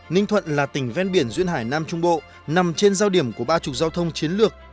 ninh thuận là tỉnh ven biển duyên hải nam trung bộ nằm trên giao điểm của ba trục giao thông chiến lược